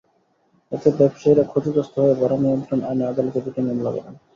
এতে ব্যবসায়ীরা ক্ষতিগ্রস্ত হয়ে ভাড়া নিয়ন্ত্রণ আইনে আদালতে দুটি মামলা করেন।